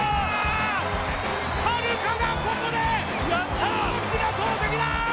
榛花がここで大きな投てきだ！